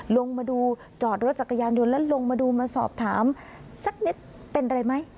ลงมาดูจอดรถจักรยานยนต์แล้วลงมาดูมาสอบถามสักนิดเป็นอะไรไหม